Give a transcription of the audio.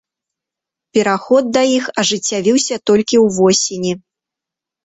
Пераход да іх ажыццявіўся толькі ў восені.